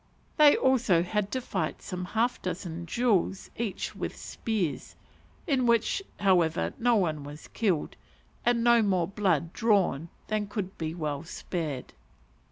They also had to fight some half dozen duels each with spears; in which, however, no one was killed, and no more blood drawn than could be well spared.